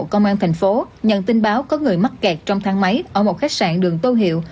công an thành phố nhận tin báo có người mắc kẹt trong thang máy ở một khách sạn đường tô hiệu